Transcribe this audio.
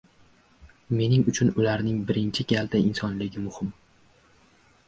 Mening uchun ularning birinchi galda insonligi muhim.